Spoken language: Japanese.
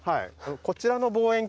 こちらの望遠鏡。